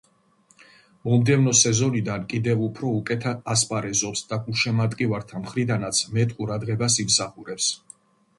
მომდევნო სეზონიდან კიდევ უფრო უკეთ ასპარეზობს და გულშემატკივართა მხრიდანაც მეტ ყურადღებას იმსახურებს.